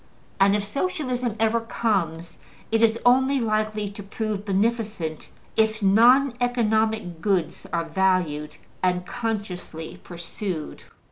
And if Socialism ever comes, it is only likely to prove beneficent if non economic goods are valued and consciously pursued.